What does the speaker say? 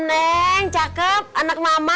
neng cakep anak mama